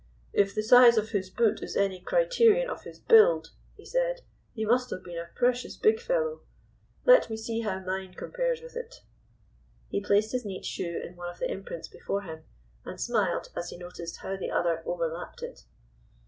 "If the size of his boot is any criterion of his build," he said, "he must have been a precious big fellow. Let me see how mine compares with it." He placed his neat shoe in one of the imprints before him, and smiled as he noticed how the other overlapped it.